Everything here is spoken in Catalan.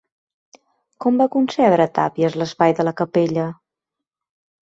Com va concebre Tàpies l'espai de la capella?